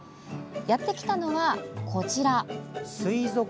やってきたのは、こちら。